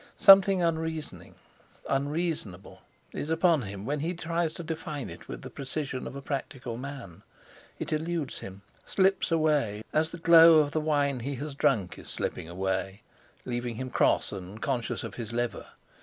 Something unreasoning, unreasonable, is upon him; when he tries to define it with the precision of a practical man, it eludes him, slips away, as the glow of the wine he has drunk is slipping away, leaving him cross, and conscious of his liver.